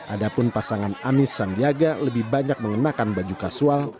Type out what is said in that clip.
adapun pasangan anis sandiaga lebih banyak mengenakan baju kasual